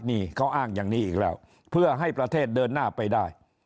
นี่เขาอ้างอย่างนี้อีกแล้วเพื่อให้ประเทศเดินหน้าไปได้